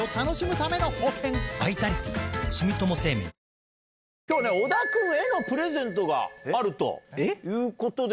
ニトリきょうね、小田君へのプレゼントがあるということで。